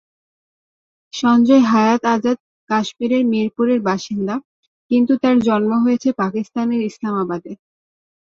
শঞ্জয় হায়াৎ আজাদ কাশ্মীরের মিরপুরের বাসিন্দা, কিন্তু তার জন্ম হয়েছে পাকিস্তানের ইসলামাবাদে।